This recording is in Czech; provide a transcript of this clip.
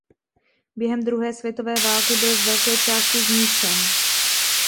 Během druhé světové války byl z velké části zničen.